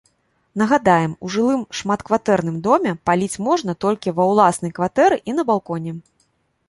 Нагадаем, у жылым шматкватэрным доме паліць можна толькі ва ўласнай кватэры і на балконе.